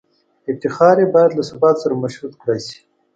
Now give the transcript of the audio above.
افتخار یې باید له ثبات سره مشروط کړای شي.